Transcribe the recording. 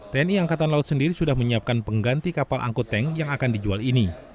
tni angkatan laut sendiri sudah menyiapkan pengganti kapal angkut tank yang akan dijual ini